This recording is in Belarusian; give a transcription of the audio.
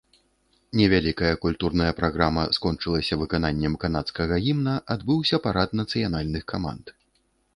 Невялікая культурная праграма скончылася выкананнем канадскага гімна, адбыўся парад нацыянальных каманд.